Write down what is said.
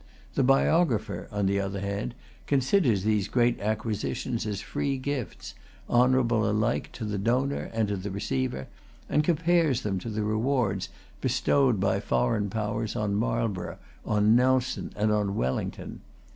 The biographer, on the other hand, considers these great acquisitions as free gifts, honourable alike to the donor and to the receiver, and compares them to the rewards bestowed by foreign powers on Marlborough, on Nelson, and on Wellington.